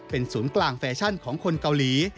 เป็นศูนย์กลางแฟชั่นของคนเกาหลี